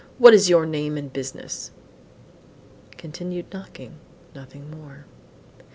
What is your name and business?" Continued knocking nothing more.